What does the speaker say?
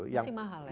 masih mahal ya